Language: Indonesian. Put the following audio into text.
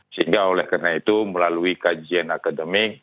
sehingga oleh karena itu melalui kajian akademik